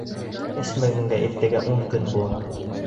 — Эсмәгәнгә иртәгә ун көн була.